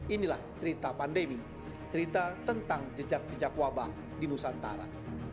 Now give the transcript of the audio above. inilah cerita pandemi cerita tentang jejak jejak wabah di nusantara